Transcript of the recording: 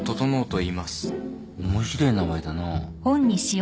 面白え名前だな。